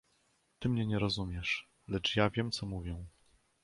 "Ty mnie nie rozumiesz, lecz ja wiem co mówię."